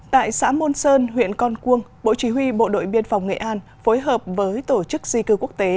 tại xã môn sơn huyện con cuông bộ chỉ huy bộ đội biên phòng nghệ an phối hợp với tổ chức di cư quốc tế